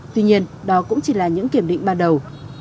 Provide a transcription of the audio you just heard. tuy nhiên đó cũng chỉ là những kiểm định ban đầu